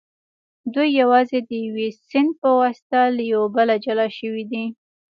دوی یوازې د یوه سیند په واسطه له یو بله جلا شوي دي